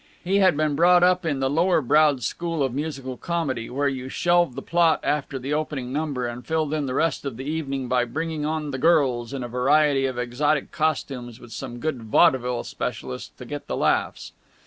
He had been brought up in the lower browed school of musical comedy, where you shelved the plot after the opening number and filled in the rest of the evening by bringing on the girls in a variety of exotic costumes, with some good vaudeville specialists to get the laughs.